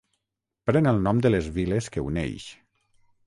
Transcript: Pren el nom de les viles que uneix.